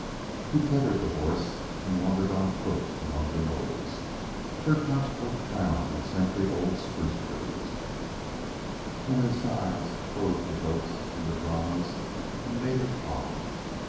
He tethered the horse and wandered on foot among the knolls. Their tops were crowned with century old spruce trees, and their sides clothed with oaks and madronos and native holly.